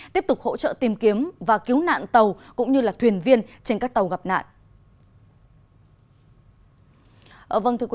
tiếp tục hỗ trợ tìm kiếm và cứu nạn tàu cũng như thuyền viên trên các tàu gặp nạn